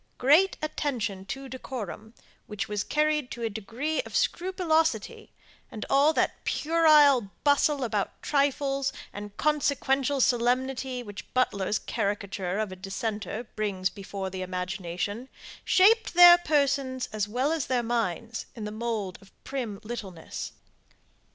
Great attention to decorum, which was carried to a degree of scrupulosity, and all that puerile bustle about trifles and consequential solemnity, which Butler's caricature of a dissenter brings before the imagination, shaped their persons as well as their minds in the mould of prim littleness.